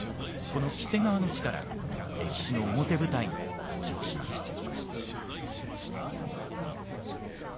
この黄瀬川の地から歴史の表舞台に登場します。